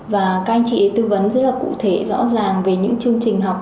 và các anh chị tư vấn rất là cụ thể rõ ràng về những chương trình học